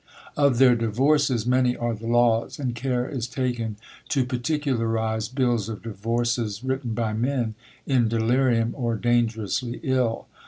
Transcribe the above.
Of their divorces many are the laws; and care is taken to particularise bills of divorces written by men in delirium or dangerously ill.